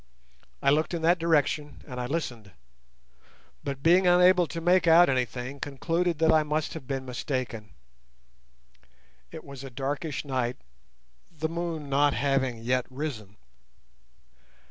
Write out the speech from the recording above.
I looked in that direction and I listened, but, being unable to make out anything, concluded that I must have been mistaken. It was a darkish night, the moon not having yet risen.